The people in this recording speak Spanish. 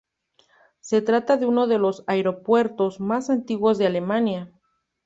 Se trata de uno de los aeropuertos más antiguos de Alemania.